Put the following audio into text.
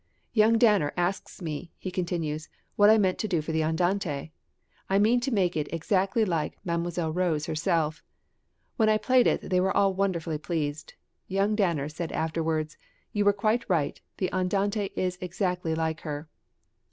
"Young Danner asked me" he continues, "what I meant to do for the andante. 'I mean to make it exactly like Mdlle. Rose herself.' When I played it they were all wonderfully pleased. Young Danner said afterwards, 'You were quite right; the andante is exactly like her.'"